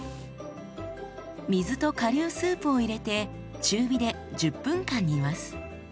水と顆粒スープを入れて中火で１０分間煮ます。